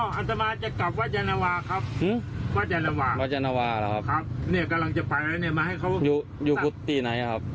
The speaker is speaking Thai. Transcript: ครับเนี่ยกำลังจะไปค่ะเนี่ยมาให้เขาอยู่อยู่คุณทีไหนครับ